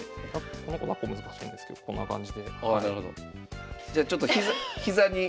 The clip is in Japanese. この子だっこ難しいんですけどこんな感じで。